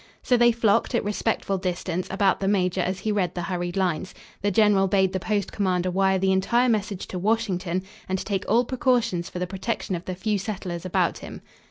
So they flocked, at respectful distance, about the major as he read the hurried lines. The general bade the post commander wire the entire message to Washington, and to take all precautions for the protection of the few settlers about him.